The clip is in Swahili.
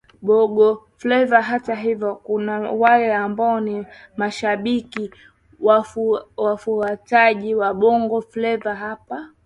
Bongo Fleva Hata hivyo kuna wale ambao ni mashabiki wafuatiaji wa Bongo fleva hapa